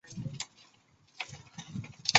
此后又曾做过两次心脏手术。